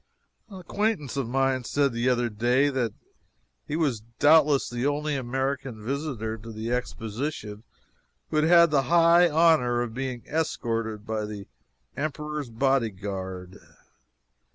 An acquaintance of mine said the other day that he was doubtless the only American visitor to the Exposition who had had the high honor of being escorted by the Emperor's bodyguard.